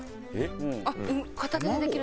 あっ片手でできるタイプ。